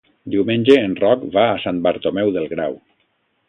Diumenge en Roc va a Sant Bartomeu del Grau.